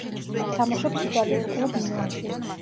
თამაშობს იტალიურ კლუბ „მილანში“.